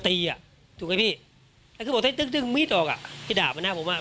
ถ้ามันเกิดโอียดกาลมาก